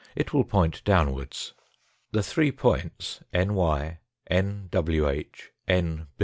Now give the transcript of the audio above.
It will point downwards. The three points, n.y, n.wh, n.